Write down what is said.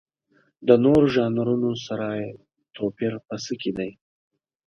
د نورو ژانرونو سره یې توپیر په څه کې دی؟